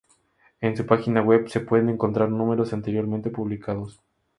En su página web, se pueden encontrar números anteriormente publicados.